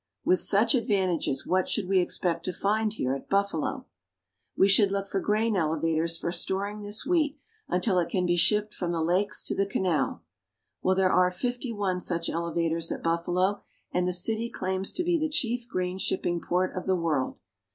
With such advantages, what should we expect to find here at Buffalo ? We should look for grain elevators for storing this wheat NIAGARA FALLS. 195 until it can be shipped from the lakes to the canal. Well, there are fifty one such elevators at Buffalo, and the city claims to be the chief grain shipping port of the world.